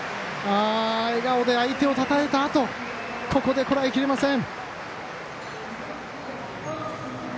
笑顔で相手をたたえたあとここで、こらえきれません。